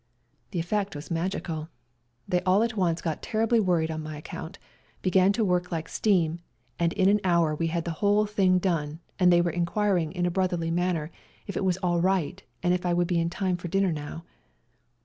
The effect was magical. They all at once got terribly worried on my account, began to work like steam, and in an hour we had the whole thing done, and they were enquiring in a brotherly manner if it was all right, and if I would be in time for dinner now.